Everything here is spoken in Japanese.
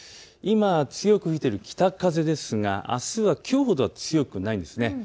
今、強く吹いている北風ですがあすはきょうほど強くないんです。